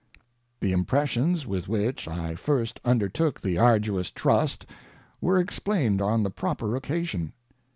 The impressions, with which, I first under took the arduous trust, were explained on the proper occasion.